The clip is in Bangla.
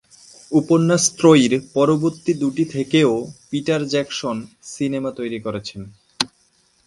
উপন্যাস ত্রয়ীর পরবর্তী দুটি থেকেও পিটার জ্যাকসন সিনেমা তৈরি করেছেন।